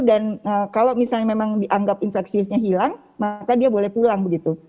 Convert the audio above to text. dan kalau misalnya memang dianggap infeksi nya hilang maka dia boleh pulang begitu